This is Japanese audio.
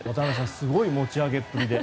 すごい持ち上げっぷりで。